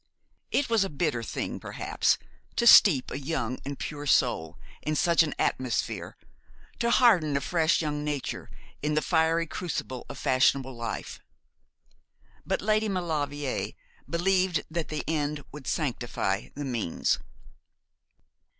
It was a bitter thing, perhaps, to steep a young and pure soul in such an atmosphere, to harden a fresh young nature in the fiery crucible of fashionable life; but Lady Maulevrier believed that the end would sanctify the means.